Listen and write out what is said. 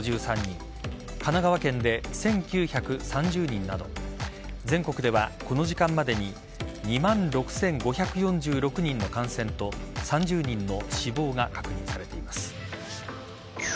神奈川県で１９３０人など全国ではこの時間までに２万６５４６人の感染と３０人の死亡が確認されています。